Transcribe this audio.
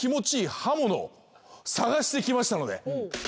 探してきましたので。